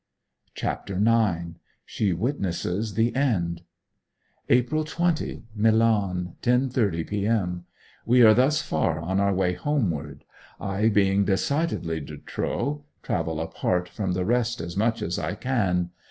CHAPTER IX. SHE WITNESSES THE END April 20. Milan, 10.30 p.m. We are thus far on our way homeward. I, being decidedly de trop, travel apart from the rest as much as I can.